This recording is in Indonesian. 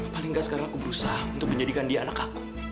paling gak sekarang aku berusaha untuk menjadikan dia anak aku